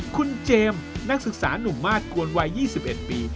คุณเจมส์นักศึกษานุ่มมาสกวนวัย๒๑ปี